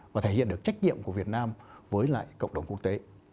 và thể hiện được trách nhiệm của việt nam với lại cộng đồng quốc tế